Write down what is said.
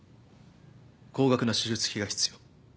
高額な手術費が必要。